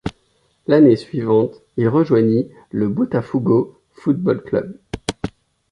L'année suivante, il rejoignit le Botafogo Futebol Club.